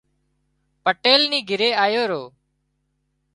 پٽيل نِي گھري آيو رو